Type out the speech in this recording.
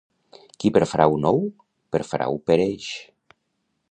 Qui per frau nou, per frau pereix.